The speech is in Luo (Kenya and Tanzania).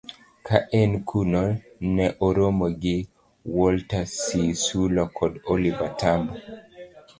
Ka en kuno, ne oromo gi Walter Sisulu kod Oliver Tambo